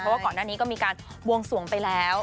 เพราะว่าก่อนหน้านี้ก็มีการบวงสวงไปแล้ว